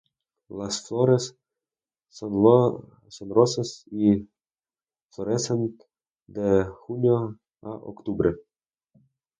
Las flores son rosas y florecen de julio a octubre.